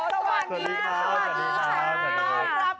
สวัสดีครับสวัสดีครับสวัสดีครับ